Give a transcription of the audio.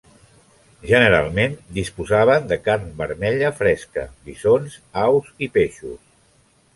Generalment disposaven de carn vermella fresca, bisons, aus i peixos.